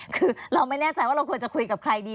คือเราไม่แน่ใจว่าเราควรจะคุยกับใครดี